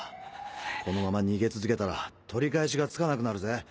このまま逃げ続けたら取り返しがつかなくなるぜ。